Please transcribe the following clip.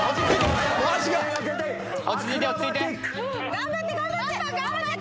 頑張って頑張って。